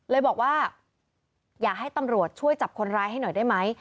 เลยบอกว่าอยากให้ตำรวจช่วยจับคนร้ายให้หน่อยได้ไหม